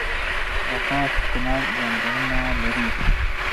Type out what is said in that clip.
د خاص کونړ ځنګلونه لري